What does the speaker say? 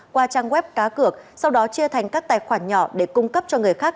qua trang web cá cược sau đó chia thành các tài khoản nhỏ để cung cấp cho người khác